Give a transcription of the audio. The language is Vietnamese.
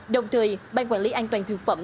đồng thời bang quản lý an toàn thực phẩm